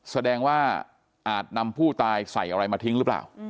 แสดงว่าอาจนำผู้ตายใส่อะไรมาทิ้งหรือเปล่า